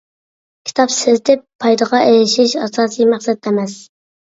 كىتاب سېتىپ پايدىغا ئېرىشىش ئاساسىي مەقسەت ئەمەس.